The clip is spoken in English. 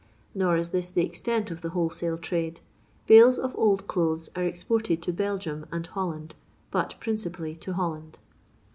Nor is this the extent of the wholesale trade. Bales of old clothes are exported to Belgium and Holland, but principally to Holland.